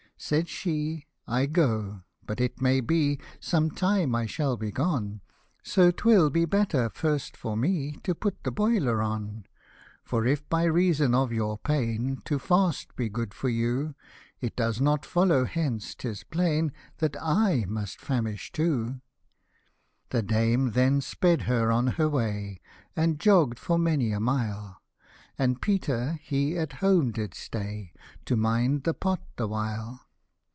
102 Said she, " I go ; but it may be, Some time I shall be gone ; So 'twill be better first for me To put the boiler on. " For if by reason of your pain To fast be good for you ; It does not follow hence 'tis plain That I must famish too." The dame then sped her on her way, And jogg'd for many a mile ; And Peter he at home did stay, To mind the pot the while.